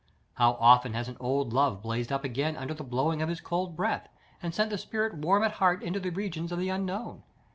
How often has an old love blazed up again under the blowing of his cold breath, and sent the spirit warm at heart into the regions of the unknown!